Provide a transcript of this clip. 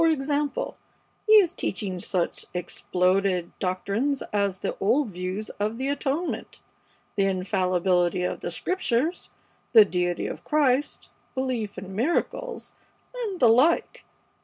For example, he is teaching such exploded doctrines as the old view of the atonement, the infallibility of the Scriptures, the deity of Christ, belief in miracles, and the like.